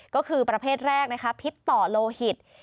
ก็คือประเภทแรกนะคะพิษต่อโลหิต